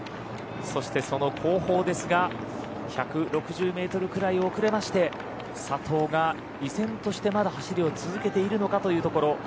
そしてその後方ですが１６０ｍくらい遅れまして佐藤が依然として、まだ走りを続けているのかというところ。